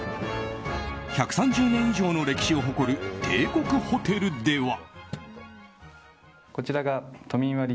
１３０年以上の歴史を誇る帝国ホテルでは。